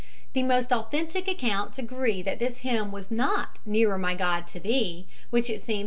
The most authentic accounts agree that this hymn was not "Nearer, My God, to Thee," which it seems had been {illust.